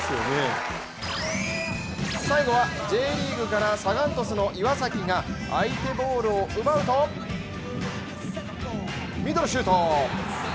最後は、Ｊリーグからサガン鳥栖の岩崎が相手ボールを奪うとミドルシュート！